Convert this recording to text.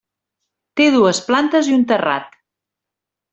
Té dues plantes i un terrat.